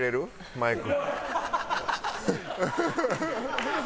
マイク。